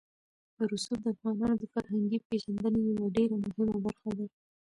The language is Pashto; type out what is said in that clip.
رسوب د افغانانو د فرهنګي پیژندنې یوه ډېره مهمه برخه ده.